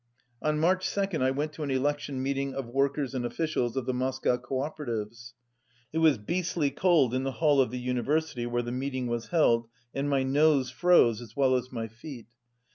On March 2nd, I went to an election meeting of workers and officials of the Moscow Co opera tives. It was beastly cold in the hall of the Uni versity where the meeting was held, and my nose froze as well as my feet.